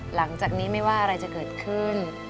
หลังจากนี้ไม่ว่าอะไรจะเกิดขึ้น